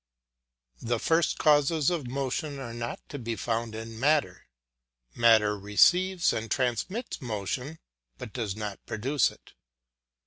The first causes of motion are not to be found in matter; matter receives and transmits motion, but does not produce it.